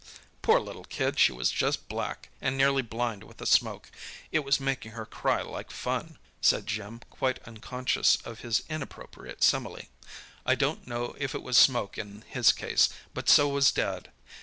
"Poor little kid; she was just black, and nearly blind with the smoke. It was making her cry like fun," said Jim, quite unconscious of his inappropriate simile. "I don't know if it was smoke in his case, but so was Dad.